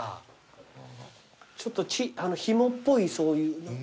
ちょっとひもっぽいそういう。